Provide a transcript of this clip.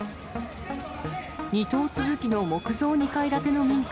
２棟続きの木造２階建ての民家